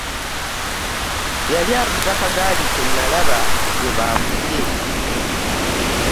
Yali avuga kagaali ke n'alaba gwe bakubye .